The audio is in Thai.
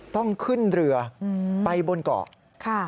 ต้องขึ้นเรือไปบนเกาะค่ะ